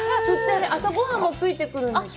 釣って朝ごはんもついてくるの？